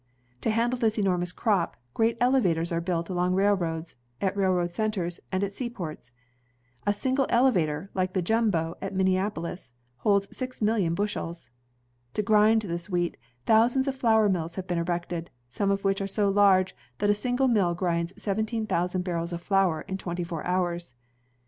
To handle this enormous crop, great elevators are built along railroads, at railroad centers, and at seaports. A single elevator, like the *' Jumbo'' at Minneapolis, holds six million bushels. To grind this wheat, thousands of flour mills have been erected, some of which are so large that a single mill grinds seventeen thousand barrels of flour in twenty four hours.